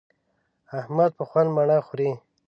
احمد په خوند مڼه خوري.